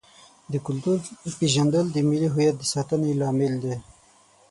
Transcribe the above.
د کلتور پیژندل د ملي هویت د ساتنې لامل دی.